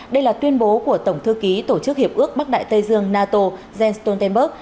đây là tuyên bố của tổng thư ký tổ chức hiệp ước bắc đại tây dương nato jens stoltenberg